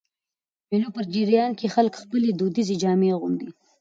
د مېلو په جریان کښي خلک خپلي دودیزي جامې اغوندي.